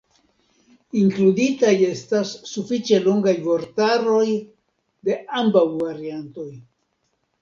Inkluditaj estas sufiĉe longaj vortaroj de ambaŭ variantoj.